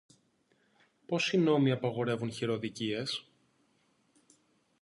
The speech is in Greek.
Πως οι νόμοι απαγορεύουν χειροδικίες;